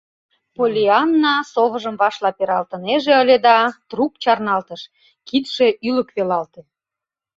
Поллианна совыжым вашла пералтынеже ыле да, трук чарналтыш, кидше ӱлык велалте.